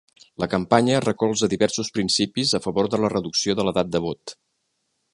La campanya recolza diversos principis a favor de la reducció de l'edat de vot.